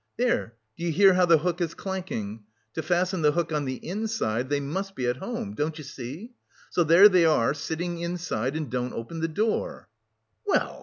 There, do you hear how the hook is clanking? To fasten the hook on the inside they must be at home, don't you see. So there they are sitting inside and don't open the door!" "Well!